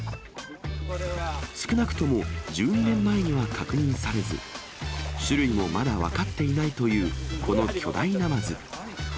少なくとも１２年前には確認されず、種類もまだ分かっていないという、この巨大ナマズ。